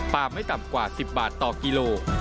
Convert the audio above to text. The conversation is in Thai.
ไม่ต่ำกว่า๑๐บาทต่อกิโล